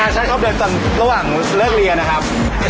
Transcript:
ใช่เข้ากลับเต้นระหว่างเลิกเรียนนะครับ